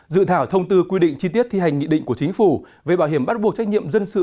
dự thảo thông tư quy định chi tiết thi hành nghị định của chính phủ về bảo hiểm bắt buộc trách nhiệm dân sự